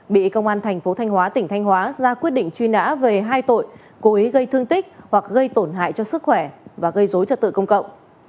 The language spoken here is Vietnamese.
bị công an thành phố thanh hóa tỉnh thanh hóa ra quyết định truy nã về hai tội cố ý gây thương tích hoặc gây tổn hại cho sức khỏe và gây dối trật tự công cộng